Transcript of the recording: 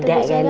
beda kan ya